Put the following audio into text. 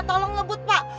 tolong lebut pa